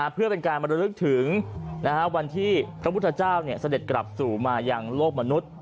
เพื่อเป็นการบรรลึกถึงวันที่พระพุทธเจ้าเสด็จกลับสู่มายังโลกมนุษย์